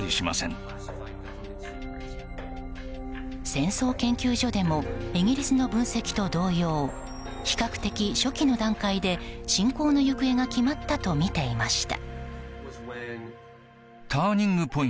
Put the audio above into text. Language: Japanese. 戦争研究所でもイギリスの分析と同様比較的初期の段階で侵攻の行方が決まったとみていました。